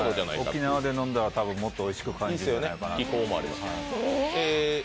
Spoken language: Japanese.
沖縄で飲んだらもっとおいしく感じるんじゃないかなと。